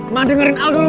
ma dengerin al dulu ma